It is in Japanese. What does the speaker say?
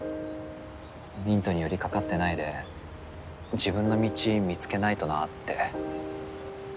ミントに寄り掛かってないで自分の道見つけないとなって。